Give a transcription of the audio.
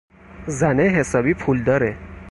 زنه حسابی پولداره!